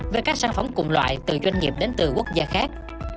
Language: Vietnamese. về các sản phẩm cùng loại từ doanh nghiệp đến từ quốc gia khác